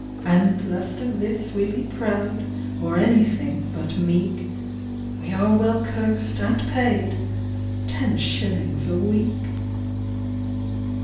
"And lest of this we be proud Or anything but meek, We are well cursed and paid— Ten shillings a week!"